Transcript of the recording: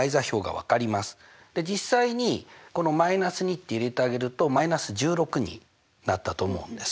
実際に−２って入れてあげると−１６になったと思うんです。